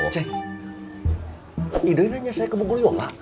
cek idoy nanya saya ke bu guru yola